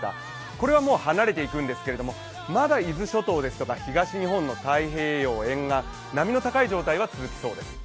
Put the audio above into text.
これはもう離れていくんですけど、まだ伊豆諸島ですとか東日本の太平洋沿岸波の高い状態は続きそうです。